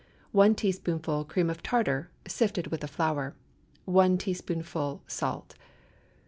1 teaspoonful cream tartar, sifted with the flour. 1 teaspoonful salt.